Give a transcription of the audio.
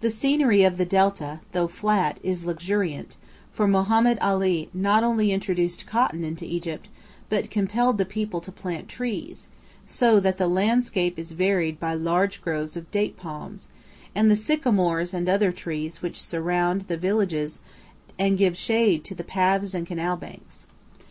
The scenery of the delta, though flat, is luxuriant; for Mohammed Ali not only introduced cotton into Egypt, but compelled the people to plant trees, so that the landscape is varied by large groves of date palms, and the sycamores and other trees which surround the villages and give shade to the paths and canal banks.